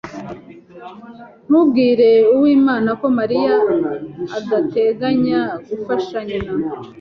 Ntubwire Uwimana ko Mariya adateganya gufasha nyina.